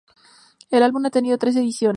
El álbum ha tenido tres ediciones.